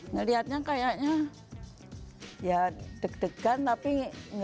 ngeliatnya kayaknya ya deg degan tapi gak begitu